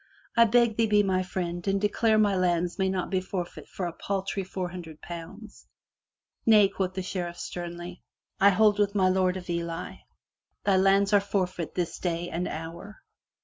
" I beg thee be my friend and declare my lands may not be forfeit for a paltry four hun dred pounds. "Nay," quoth the Sheriff sternly. "I hold with my Lord of Ely. Thy lands are forfeit this day and hour."